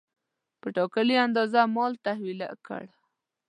په ټاکلې اندازه مال تحویل کړ.